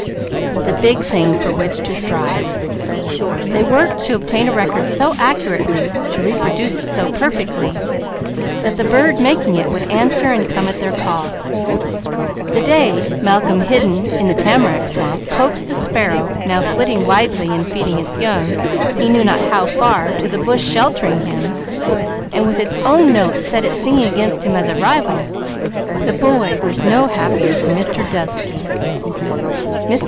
The big thing for which to strive! They worked to obtain a record so accurately, to reproduce it so perfectly that the bird making it would answer and come at their call. The day Malcolm, hidden in the tamarack swamp, coaxed the sparrow, now flitting widely in feeding its young, he knew not how far, to the bush sheltering him, and with its own notes set it singing against him as a rival, the boy was no happier than Mr. Dovesky. Mr.